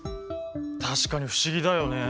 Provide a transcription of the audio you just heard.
確かに不思議だよね。